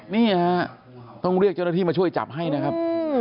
นี่ฮะต้องเรียกเจ้าหน้าที่มาช่วยจับให้นะครับ